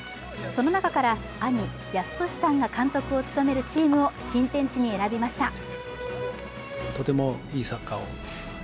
その中から、兄、泰年さんが監督を務めるチームを新天地に選びました。